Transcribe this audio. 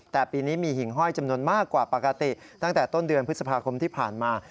แต่ปีนี้มีหิ่งห้อยจำนวนมากกว่าปกติตั้งแต่ต้นเดือนพฤษภาคมที่ผ่านมา